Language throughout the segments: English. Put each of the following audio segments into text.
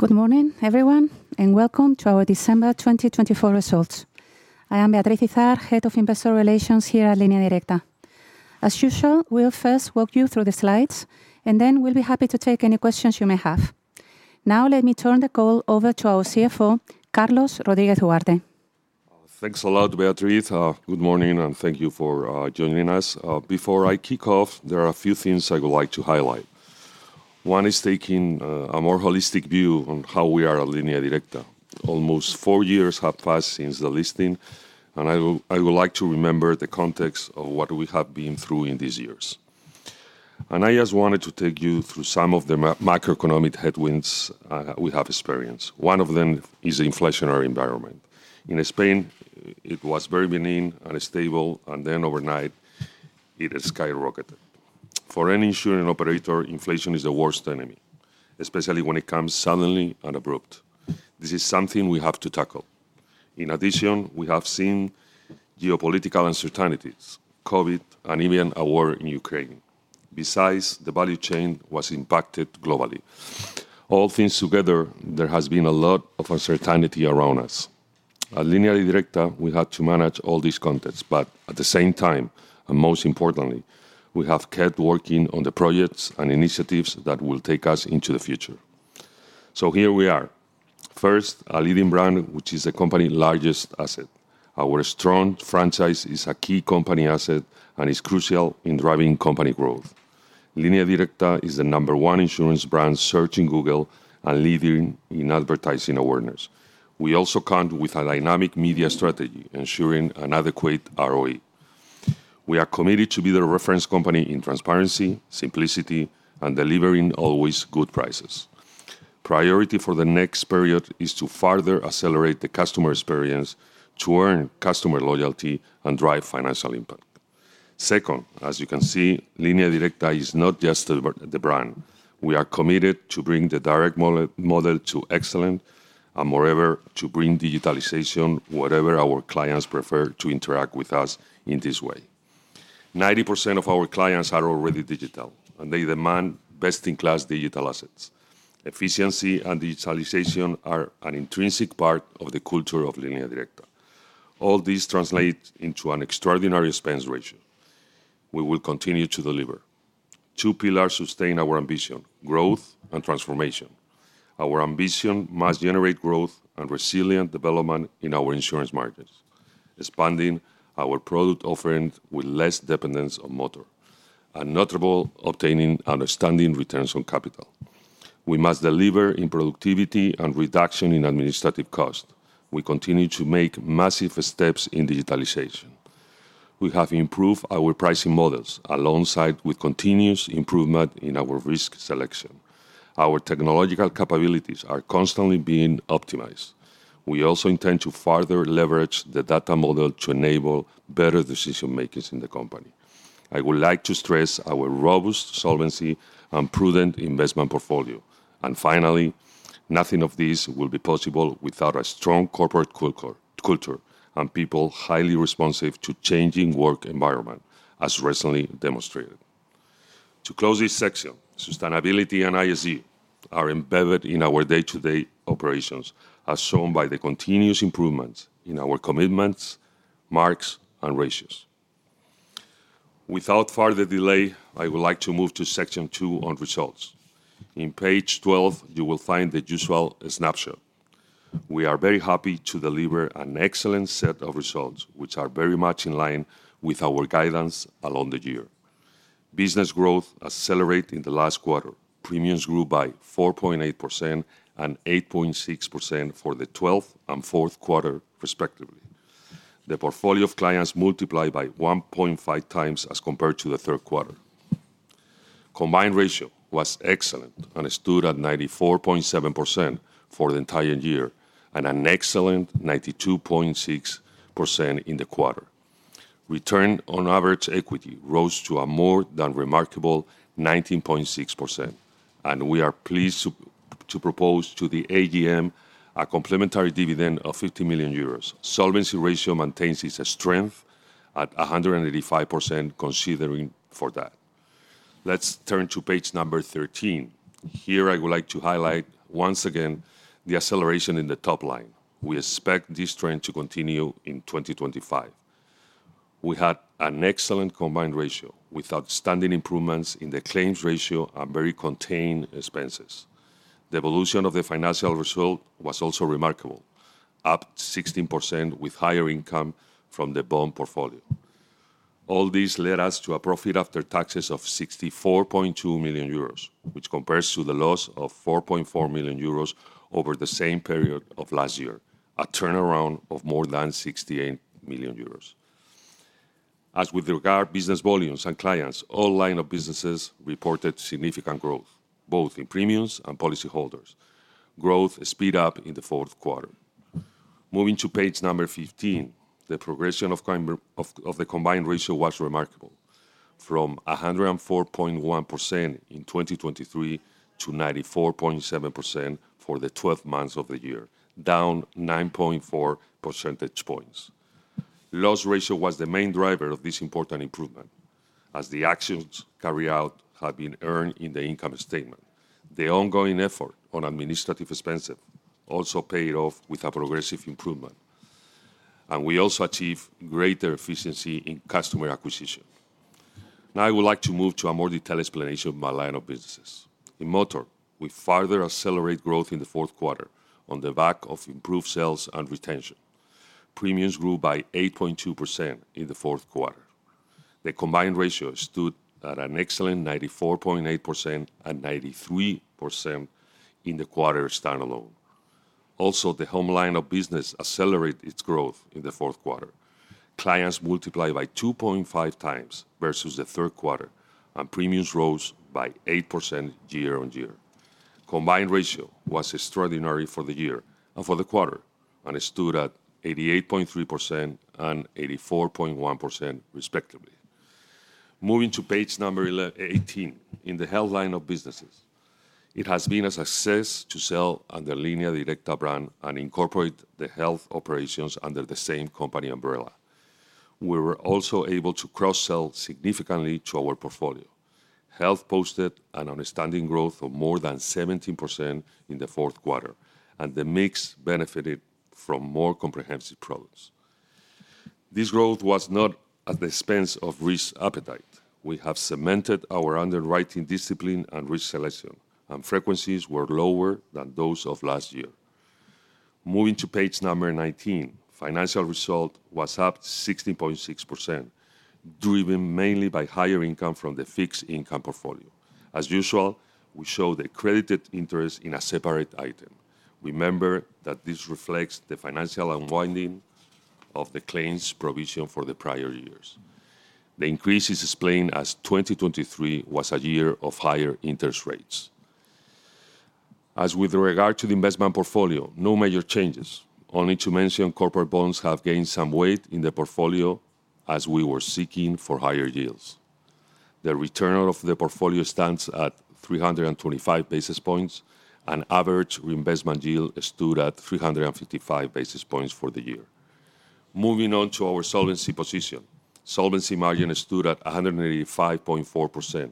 Good morning, everyone, and welcome to our December 2024 results. I am Beatriz Izard, Head of Investor Relations here at Línea Directa. As usual, we'll first walk you through the slides, and then we'll be happy to take any questions you may have. Now, let me turn the call over to our CFO, Carlos Rodríguez Duarte. Thanks a lot, Beatriz. Good morning, and thank you for joining us. Before I kick off, there are a few things I would like to highlight. One is taking a more holistic view on how we are at Línea Directa. Almost four years have passed since the listing, and I would like to remember the context of what we have been through in these years, and I just wanted to take you through some of the macroeconomic headwinds we have experienced. One of them is the inflationary environment. In Spain, it was very benign and stable, and then overnight, it skyrocketed. For any insurance operator, inflation is the worst enemy, especially when it comes suddenly and abrupt. This is something we have to tackle. In addition, we have seen geopolitical uncertainties: COVID, and even a war in Ukraine. Besides, the value chain was impacted globally. All things together, there has been a lot of uncertainty around us. At Línea Directa, we had to manage all this context, but at the same time, and most importantly, we have kept working on the projects and initiatives that will take us into the future. So here we are. First, a leading brand, which is the company's largest asset. Our strong franchise is a key company asset and is crucial in driving company growth. Línea Directa is the number one insurance brand searched in Google and leading in advertising awareness. We also count with a dynamic media strategy, ensuring an adequate ROI. We are committed to being the reference company in transparency, simplicity, and delivering always good prices. Priority for the next period is to further accelerate the customer experience, to earn customer loyalty, and drive financial impact. Second, as you can see, Línea Directa is not just the brand. We are committed to bringing the direct model to excellence and, moreover, to bring digitalization, whatever our clients prefer to interact with us in this way. 90% of our clients are already digital, and they demand best-in-class digital assets. Efficiency and digitalization are an intrinsic part of the culture of Línea Directa. All this translates into an extraordinary expense ratio. We will continue to deliver. Two pillars sustain our ambition: growth and transformation. Our ambition must generate growth and resilient development in our insurance margins, expanding our product offering with less dependence on motor, and notably obtaining outstanding returns on capital. We must deliver in productivity and reduction in administrative cost. We continue to make massive steps in digitalization. We have improved our pricing models alongside continuous improvement in our risk selection. Our technological capabilities are constantly being optimized. We also intend to further leverage the data model to enable better decision-makers in the company. I would like to stress our robust solvency and prudent investment portfolio, and finally, nothing of this will be possible without a strong corporate culture and people highly responsive to changing work environments, as recently demonstrated. To close this section, sustainability and ESG are embedded in our day-to-day operations, as shown by the continuous improvements in our commitments, marks, and ratios. Without further delay, I would like to move to Section 2 on results. On page 12, you will find the usual snapshot. We are very happy to deliver an excellent set of results, which are very much in line with our guidance along the year. Business growth accelerated in the last quarter. Premiums grew by 4.8% and 8.6% for the 12th and 4th quarter, respectively. The portfolio of clients multiplied by 1.5 times as compared to the 3rd quarter. Combined ratio was excellent and stood at 94.7% for the entire year and an excellent 92.6% in the quarter. Return on average equity rose to a more than remarkable 19.6%, and we are pleased to propose to the AGM a complementary dividend of €50 million. Solvency ratio maintains its strength at 185%, considering for that. Let's turn to page number 13. Here, I would like to highlight once again the acceleration in the top line. We expect this trend to continue in 2025. We had an excellent combined ratio with outstanding improvements in the claims ratio and very contained expenses. The evolution of the financial result was also remarkable, up 16% with higher income from the bond portfolio. All this led us to a profit after taxes of €64.2 million, which compares to the loss of €4.4 million over the same period of last year, a turnaround of more than €68 million. As with regard to business volumes and clients, all lines of businesses reported significant growth, both in premiums and policyholders. Growth speed up in the 4th quarter. Moving to page number 15, the progression of the combined ratio was remarkable, from 104.1% in 2023 to 94.7% for the 12 months of the year, down 9.4 percentage points. Loss ratio was the main driver of this important improvement, as the actions carried out have been earned in the income statement. The ongoing effort on administrative expenses also paid off with a progressive improvement, and we also achieved greater efficiency in customer acquisition. Now, I would like to move to a more detailed explanation of my line of businesses. In motor, we further accelerated growth in the 4th quarter on the back of improved sales and retention. Premiums grew by 8.2% in the 4th quarter. The combined ratio stood at an excellent 94.8% and 93% in the quarter standalone. Also, the home line of business accelerated its growth in the 4th quarter. Clients multiplied by 2.5 times versus the 3rd quarter, and premiums rose by 8% year on year. Combined ratio was extraordinary for the year and for the quarter, and it stood at 88.3% and 84.1%, respectively. Moving to page number 18, in the health line of businesses, it has been a success to sell under Línea Directa brand and incorporate the health operations under the same company umbrella. We were also able to cross-sell significantly to our portfolio. Health posted an outstanding growth of more than 17% in the 4th quarter, and the mix benefited from more comprehensive products. This growth was not at the expense of risk appetite. We have cemented our underwriting discipline and risk selection, and frequencies were lower than those of last year. Moving to page 19, financial result was up 16.6%, driven mainly by higher income from the fixed income portfolio. As usual, we show the credited interest in a separate item. Remember that this reflects the financial unwinding of the claims provision for the prior years. The increase is explained, as 2023 was a year of higher interest rates. As with regard to the investment portfolio, no major changes, only to mention corporate bonds have gained some weight in the portfolio as we were seeking for higher yields. The return of the portfolio stands at 325 basis points, and average reinvestment yield stood at 355 basis points for the year. Moving on to our solvency position, solvency margin stood at 185.4%.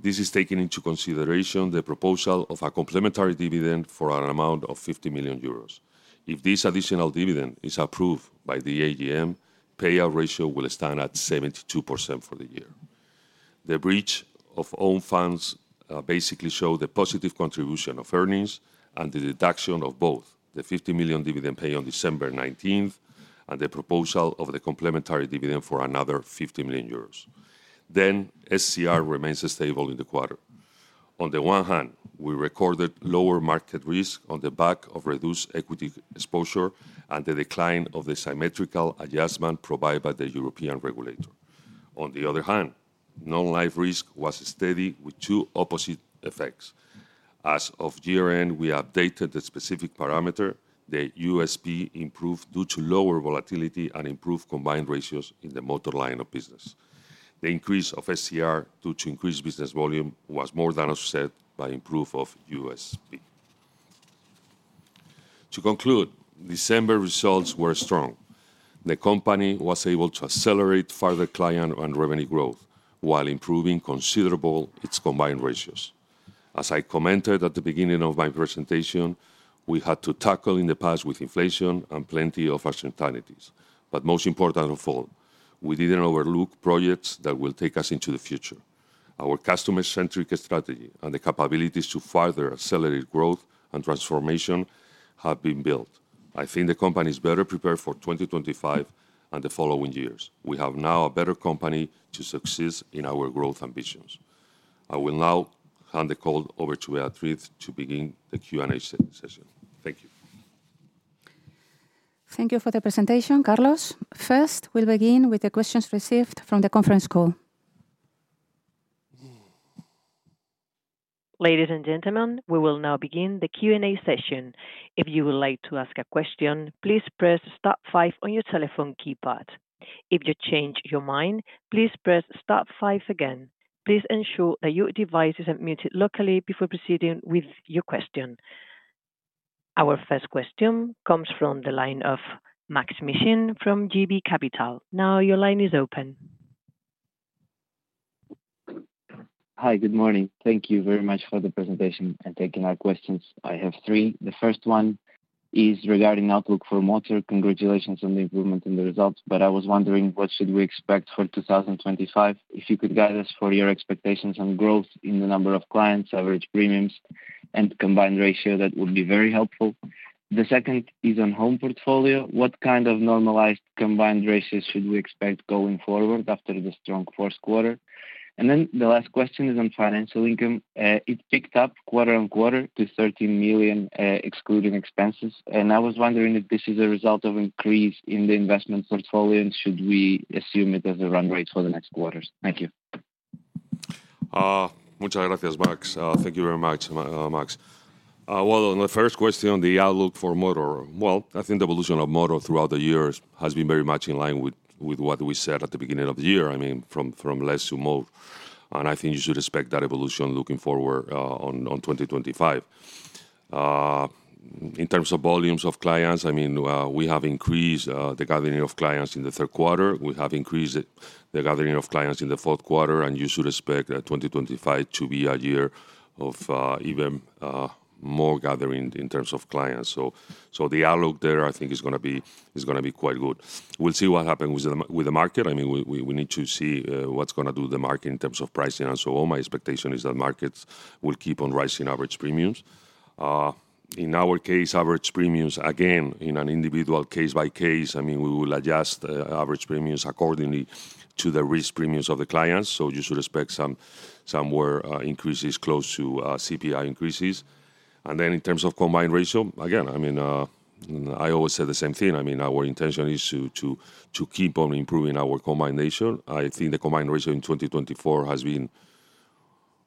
This is taken into consideration the proposal of a complementary dividend for an amount of 50 million euros. If this additional dividend is approved by the AGM, payout ratio will stand at 72% for the year. The breakdown of own funds basically shows the positive contribution of earnings and the deduction of both the 50 million dividend paid on December 19 and the proposal of the complementary dividend for another 50 million euros, then SCR remains stable in the quarter. On the one hand, we recorded lower market risk on the back of reduced equity exposure and the decline of the symmetrical adjustment provided by the European regulator. On the other hand, non-life risk was steady with two opposite effects. As of year-end, we updated the specific parameter. The USP improved due to lower volatility and improved combined ratios in the motor line of business. The increase of SCR due to increased business volume was more than offset by improved USP. To conclude, December results were strong. The company was able to accelerate further client and revenue growth while improving considerably its combined ratios. As I commented at the beginning of my presentation, we had to tackle in the past with inflation and plenty of uncertainties. But most important of all, we didn't overlook projects that will take us into the future. Our customer-centric strategy and the capabilities to further accelerate growth and transformation have been built. I think the company is better prepared for 2025 and the following years. We have now a better company to succeed in our growth ambitions. I will now hand the call over to Beatriz to begin the Q&A session. Thank you. Thank you for the presentation, Carlos. First, we'll begin with the questions received from the conference call. Ladies and gentlemen, we will now begin the Q&A session. If you would like to ask a question, please press Star 5 on your telephone keypad. If you change your mind, please press Star 5 again. Please ensure that your device is unmuted locally before proceeding with your question. Our first question comes from the line of Max Mission from JB Capital Markets. Now your line is open. Hi, good morning. Thank you very much for the presentation and taking our questions. I have three. The first one is regarding outlook for Motor. Congratulations on the improvement in the results, but I was wondering what should we expect for 2025? If you could guide us for your expectations on growth in the number of clients, average premiums, and combined ratio, that would be very helpful. The second is on Home portfolio. What kind of normalized combined ratios should we expect going forward after the strong 4th quarter? And then the last question is on financial income. It picked up quarter on quarter to €13 million, excluding expenses. And I was wondering if this is a result of increase in the investment portfolio and should we assume it as a run rate for the next quarters? Thank you. Muchas gracias, Max. Thank you very much, Max. On the first question, the outlook for Motor, I think the evolution of Motor throughout the years has been very much in line with what we said at the beginning of the year, I mean, from less to more, and I think you should expect that evolution looking forward on 2025. In terms of volumes of clients, I mean, we have increased the gathering of clients in the 3rd quarter. We have increased the gathering of clients in the 4th quarter, and you should expect 2025 to be a year of even more gathering in terms of clients. The outlook there, I think, is going to be quite good. We'll see what happens with the market. I mean, we need to see what's going to do the market in terms of pricing. All my expectation is that markets will keep on rising average premiums. In our case, average premiums, again, in an individual case by case, I mean, we will adjust average premiums accordingly to the risk premiums of the clients. You should expect some increases close to CPI increases. In terms of combined ratio, again, I mean, I always say the same thing. I mean, our intention is to keep on improving our combined ratio. I think the combined ratio in 2024 has been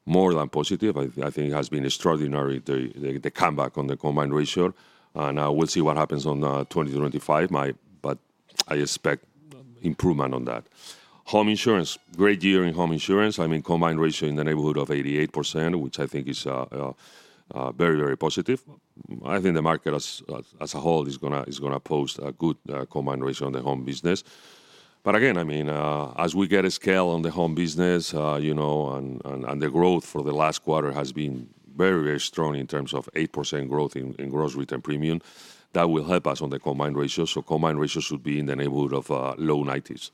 more than positive. I think it has been extraordinary, the comeback on the combined ratio. We'll see what happens on 2025, but I expect improvement on that. Home insurance, great year in home insurance. I mean, combined ratio in the neighborhood of 88%, which I think is very, very positive. I think the market as a whole is going to post a good combined ratio on the home business. But again, I mean, as we get a scale on the home business, you know, and the growth for the last quarter has been very, very strong in terms of 8% growth in gross written premium. That will help us on the combined ratio. So combined ratio should be in the neighborhood of low 90s.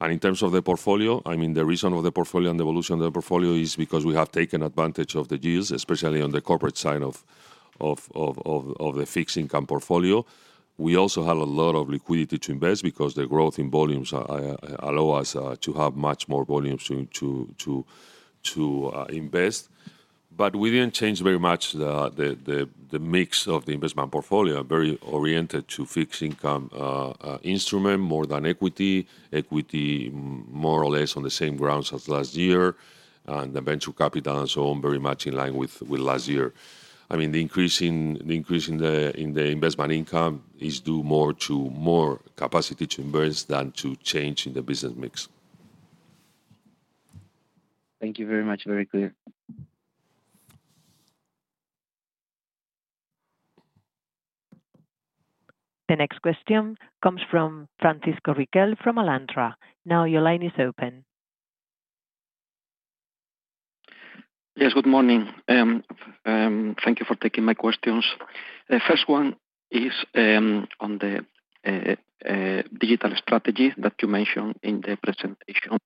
And in terms of the portfolio, I mean, the reason of the portfolio and the evolution of the portfolio is because we have taken advantage of the yields, especially on the corporate side of the fixed income portfolio. We also had a lot of liquidity to invest because the growth in volumes allow us to have much more volumes to invest. But we didn't change very much the mix of the investment portfolio. Very oriented to fixed income instrument more than equity. Equity more or less on the same grounds as last year, and the venture capital and so on very much in line with last year. I mean, the increase in the investment income is due more to more capacity to invest than to change in the business mix. Thank you very much. Very clear. The next question comes from Francisco Riquel from Alantra. Now your line is open. Yes, good morning. Thank you for taking my questions. The first one is on the digital strategy that you mentioned in the presentation.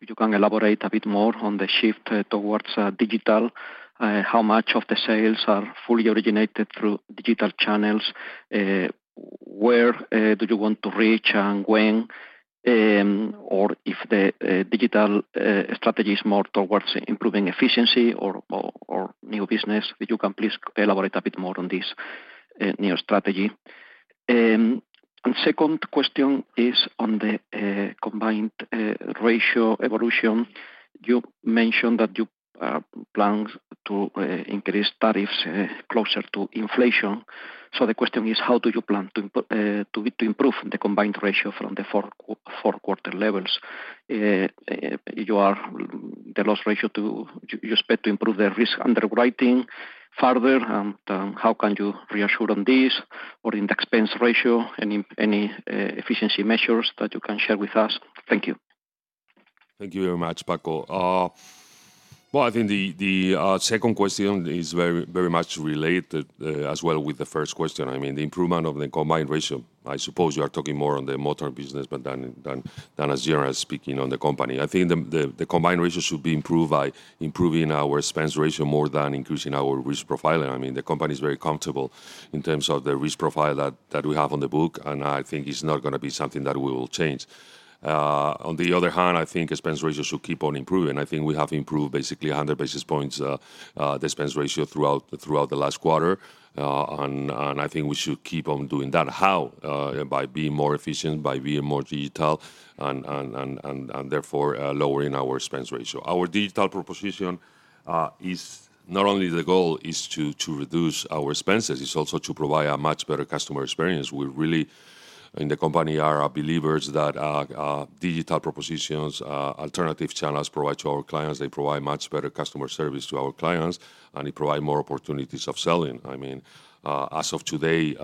If you can elaborate a bit more on the shift towards digital, how much of the sales are fully originated through digital channels, where do you want to reach and when, or if the digital strategy is more towards improving efficiency or new business, if you can please elaborate a bit more on this new strategy? And second question is on the combined ratio evolution. You mentioned that you plan to increase tariffs closer to inflation. So the question is, how do you plan to improve the combined ratio from the 4th quarter levels? The loss ratio you expect to improve the risk underwriting further, and how can you reassure on this or in the expense ratio? Any efficiency measures that you can share with us? Thank you. Thank you very much, Pascal. Well, I think the second question is very much related as well with the first question. I mean, the improvement of the combined ratio, I suppose you are talking more on the motor business than as general speaking on the company. I think the combined ratio should be improved by improving our expense ratio more than increasing our risk profiling. I mean, the company is very comfortable in terms of the risk profile that we have on the book, and I think it's not going to be something that we will change. On the other hand, I think expense ratio should keep on improving. I think we have improved basically 100 basis points the expense ratio throughout the last quarter, and I think we should keep on doing that. How? By being more efficient, by being more digital, and therefore lowering our expense ratio. Our digital proposition is not only the goal is to reduce our expenses, it's also to provide a much better customer experience. We really, in the company, are believers that digital propositions, alternative channels provide to our clients. They provide much better customer service to our clients, and they provide more opportunities of selling. I mean, as of today,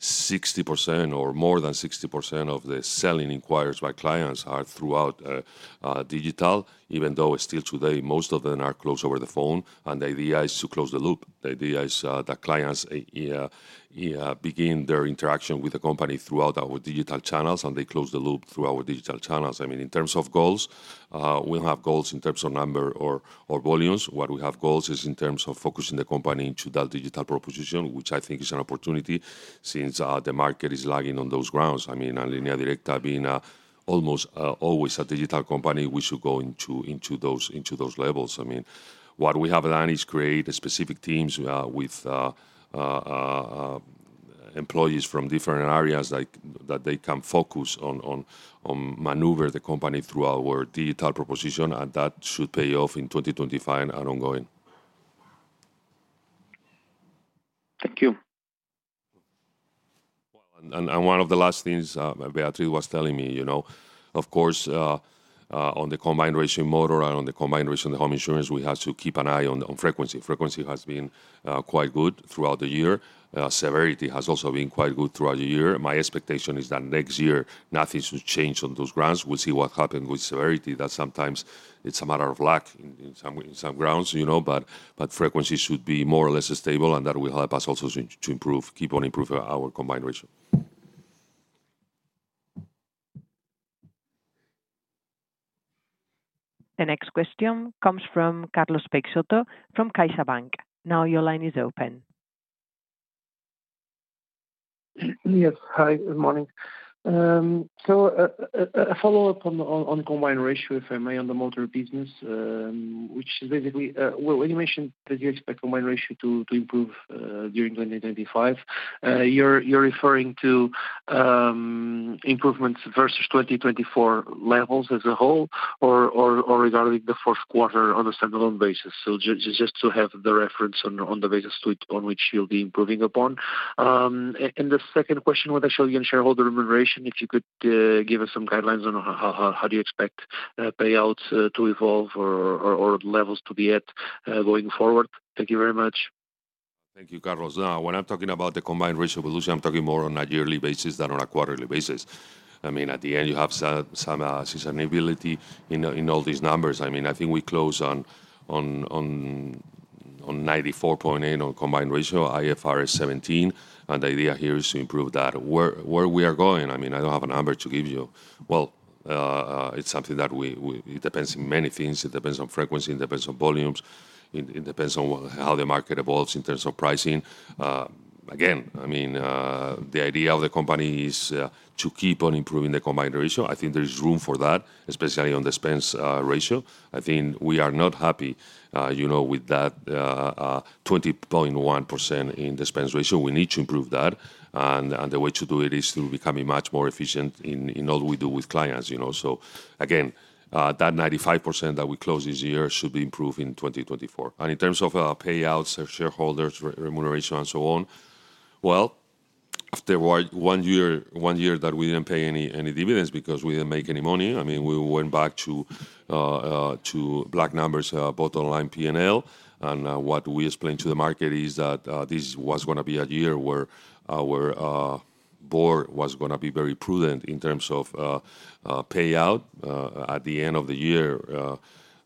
60% or more than 60% of the selling inquiries by clients are throughout digital, even though still today most of them are closed over the phone, and the idea is to close the loop. The idea is that clients begin their interaction with the company throughout our digital channels, and they close the loop through our digital channels. I mean, in terms of goals, we'll have goals in terms of number or volumes. What we have goals is in terms of focusing the company into that digital proposition, which I think is an opportunity since the market is lagging on those grounds. I mean, and Línea Directa being almost always a digital company, we should go into those levels. I mean, what we have done is create specific teams with employees from different areas that they can focus on, maneuver the company through our digital proposition, and that should pay off in 2025 and ongoing. Thank you. And one of the last things Beatriz was telling me, you know, of course, on the combined ratio in Motor and on the combined ratio in the home insurance, we have to keep an eye on frequency. Frequency has been quite good throughout the year. Severity has also been quite good throughout the year. My expectation is that next year nothing should change on those grounds. We'll see what happens with severity, that sometimes it's a matter of luck in some grounds, you know, but frequency should be more or less stable, and that will help us also to improve, keep on improving our combined ratio. The next question comes from Carlos Peixoto from CaixaBank. Now your line is open. Yes, hi, good morning. So a follow-up on combined ratio, if I may, on the Motor business, which is basically, well, you mentioned that you expect combined ratio to improve during 2025. You're referring to improvements versus 2024 levels as a whole or regarding the 4th quarter on a standalone basis? So just to have the reference on the basis on which you'll be improving upon. And the second question was actually on shareholder remuneration. If you could give us some guidelines on how do you expect payouts to evolve or levels to be at going forward? Thank you very much. Thank you, Carlos. Now, when I'm talking about the combined ratio evolution, I'm talking more on a yearly basis than on a quarterly basis. I mean, at the end, you have some sustainability in all these numbers. I mean, I think we close on 94.8 on combined ratio, IFRS 17, and the idea here is to improve that. Where we are going, I mean, I don't have a number to give you. Well, it's something that it depends on many things. It depends on frequency, it depends on volumes, it depends on how the market evolves in terms of pricing. Again, I mean, the idea of the company is to keep on improving the combined ratio. I think there is room for that, especially on the expense ratio. I think we are not happy, you know, with that 20.1% in the expense ratio. We need to improve that, and the way to do it is through becoming much more efficient in all we do with clients, you know, so again, that 95% that we closed this year should be improved in 2024, and in terms of payouts, shareholders, remuneration, and so on, well, after one year that we didn't pay any dividends because we didn't make any money, I mean, we went back to black numbers, bottom line P&L, and what we explained to the market is that this was going to be a year where our board was going to be very prudent in terms of payout. At the end of the year,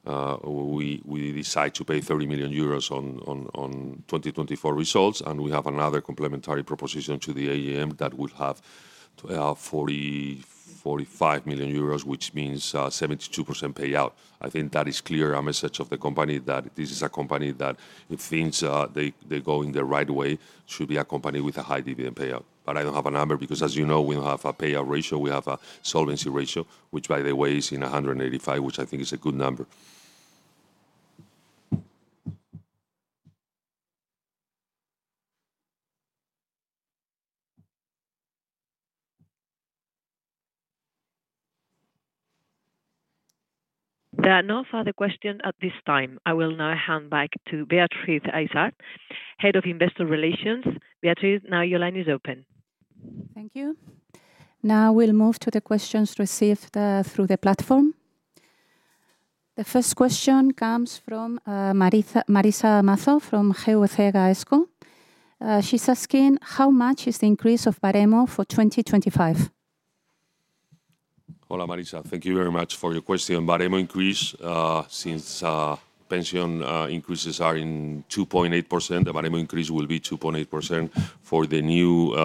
we decide to pay 30 million euros on 2024 results, and we have another complementary proposition to the AGM that will have 45 million euros, which means 72% payout. I think that is a clear message of the company that this is a company that, if things go in the right way, should be a company with a high dividend payout. But I don't have a number because, as you know, we don't have a payout ratio. We have a solvency ratio, which, by the way, is in 185, which I think is a good number. There are no further questions at this time. I will now hand back to Beatriz Izard, Head of Investor Relations. Beatriz, now your line is open. Thank you. Now we'll move to the questions received through the platform. The first question comes from Marisa Mazo from GVC Gaesco. She's asking, how much is the increase of Baremo for 2025? Hola, Marisa. Thank you very much for your question. Baremo increase, since pension increases are in 2.8%, the Baremo increase will be 2.8% for the new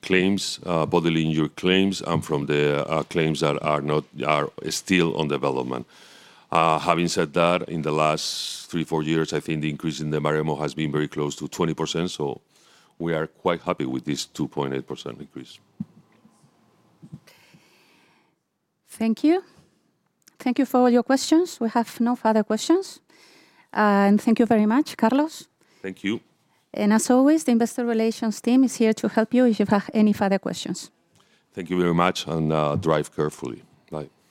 claims, both the linear claims and from the claims that are still on development. Having said that, in the last three, four years, I think the increase in the Baremo has been very close to 20%, so we are quite happy with this 2.8% increase. Thank you. Thank you for all your questions. We have no further questions. And thank you very much, Carlos. Thank you. As always, the Investor Relations team is here to help you if you have any further questions. Thank you very much and drive carefully. Bye.